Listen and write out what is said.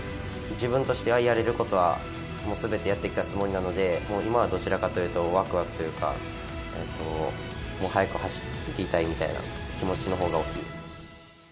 自分としては、やれることはもうすべてやってきたつもりなので、今はどちらかというと、わくわくというか、もう早く走りたいみたいな気持ちのほうが大きいです。